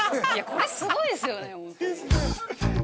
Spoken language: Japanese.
これすごいですよね。ですね。